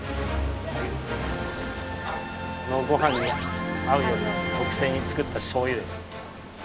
このご飯に合うように特製に作った醤油ですね。